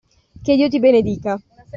Che Dio ti benedica.